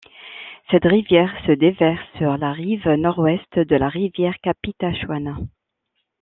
Cette rivière se déverse sur la rive Nord-Ouest de la rivière Capitachouane.